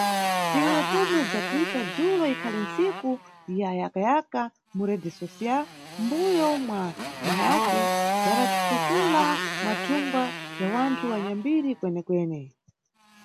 Tilewe pomwe bzwa Twitter, dzulo ikhali ntsiku ya kayakayaka mu rede social, mʼmbuyo mwa mahacker yatatukula mathungwa ya wanthu anyambiri kwenekwene.